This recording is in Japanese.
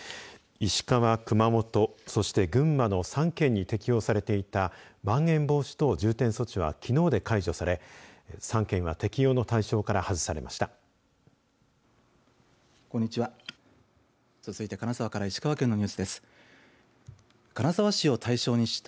石川、熊本、そして群馬の３県に適用されていたまん延防止等重点措置はきのうで解除され３県は適用の対象から外されました。